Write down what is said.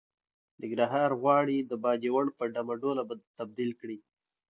ننګرهار غواړي د باجوړ په ډمه ډوله تبديل کړي.